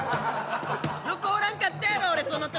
横おらんかったやろ！俺その時。